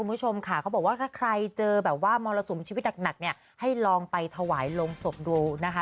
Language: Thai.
คุณผู้ชมค่ะเขาบอกว่าถ้าใครเจอแบบว่ามรสุมชีวิตหนักเนี่ยให้ลองไปถวายลงศพดูนะคะ